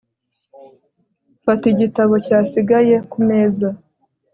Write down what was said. Fata igitabo cyasigaye kumeza